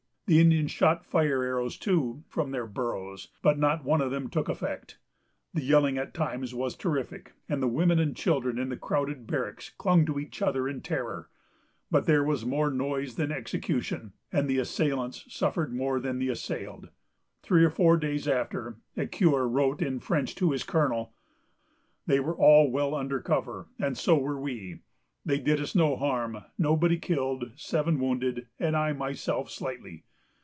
The Indians shot fire arrows, too, from their burrows, but not one of them took effect. The yelling at times was terrific, and the women and children in the crowded barracks clung to each other in terror; but there was more noise than execution, and the assailants suffered more than the assailed. Three or four days after, Ecuyer wrote in French to his colonel, "They were all well under cover, and so were we. They did us no harm: nobody killed; seven wounded, and I myself slightly.